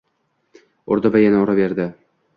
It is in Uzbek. Urdi va yana uraverdi.